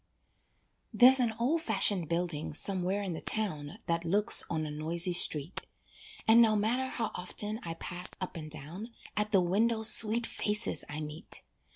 There's an old fashioned building somewhere in the town That looks on a noisy street, And no matter how often I pass up and down, At the window sweet faces I meet.